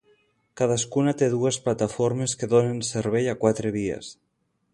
Cadascuna té dues plataformes que donen servei a quatre vies.